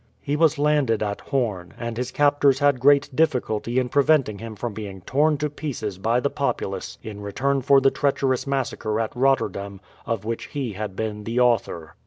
He was landed at Horn, and his captors had great difficulty in preventing him from being torn to pieces by the populace in return for the treacherous massacre at Rotterdam, of which he had been the author.